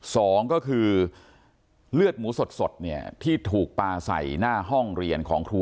สองก็คือเลือดหมูสดเนี่ยที่ถูกปลาใส่หน้าห้องเรียนของครู